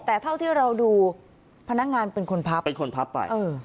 แต่เท่าที่เราดูพนักงานเป็นคนพับเป็นคนพับไป